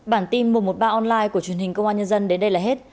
bản tin mùa một ba online của truyền hình công an nhân dân đến đây là hết